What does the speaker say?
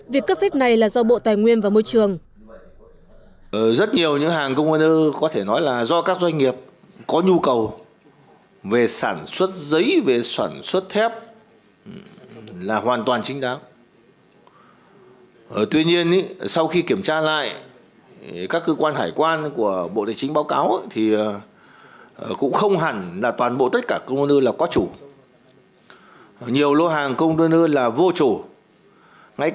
việc cấp phép này là do bộ tài nguyên và môi trường